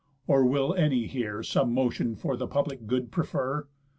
Or will any here Some motion for the public good prefer?